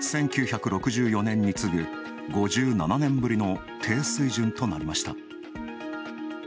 １９６４年に次ぐ５７年ぶりの低水準となりました。